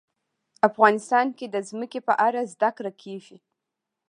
افغانستان کې د ځمکه په اړه زده کړه کېږي.